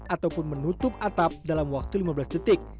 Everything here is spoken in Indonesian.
ataupun menutup atap dalam waktu lima belas detik